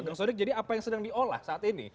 bang sodik jadi apa yang sedang diolah saat ini